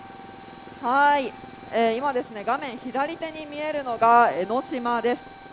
今、画面左手に見えるのが江の島です。